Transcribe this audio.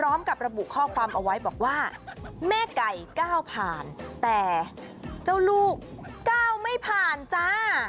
พร้อมกับระบุข้อความเอาไว้บอกว่าแม่ไก่ก้าวผ่านแต่เจ้าลูกก้าวไม่ผ่านจ้า